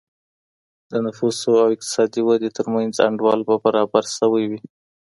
د نفوسو او اقتصادي ودي ترمنځ انډول به برابر سوی وي.